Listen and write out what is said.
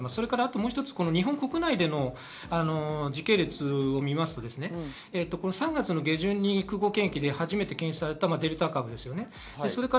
もう一つ、日本国内での時系列を見ると、３月下旬に空港検疫で初めて検出されたデルタ株です。